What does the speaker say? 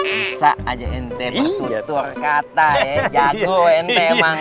bisa aja ente bertutur kata ya